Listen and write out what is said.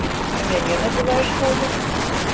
Ты мяне называеш хамам?